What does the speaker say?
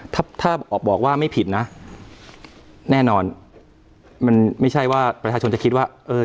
ถ้าถ้าออกบอกว่าไม่ผิดนะแน่นอนมันไม่ใช่ว่าประชาชนจะคิดว่าเออ